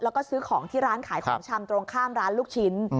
แล้วก็ซื้อของที่ร้านขายของชำตรงข้ามร้านลูกชิ้น